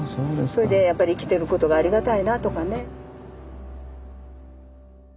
それでやっぱり生きてることがありがたいなとかね。